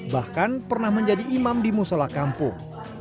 bahkan pernah menjadi imam di musola kampung